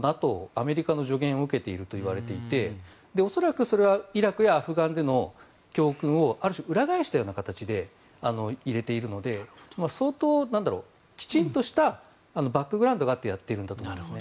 アメリカの助言を受けていると言われていて恐らく、それはイラクやアフガンでの教訓をある種、裏返したような形で入れているので相当、きちんとしたバックグラウンドがあってやっているんだと思います。